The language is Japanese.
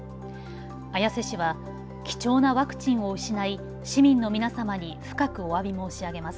綾瀬市は貴重なワクチンを失い市民の皆様に深くおわび申し上げます。